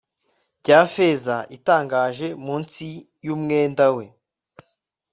Bya feza itangaje munsi yumwenda we